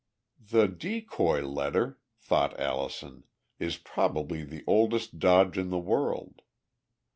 "The decoy letter," thought Allison, "is probably the oldest dodge in the world.